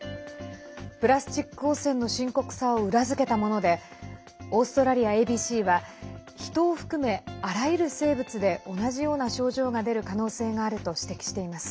プラスチック汚染の深刻さを裏付けたものでオーストラリアＡＢＣは人を含め、あらゆる生物で同じような症状が出る可能性があると指摘しています。